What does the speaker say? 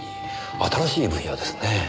新しい分野ですねえ。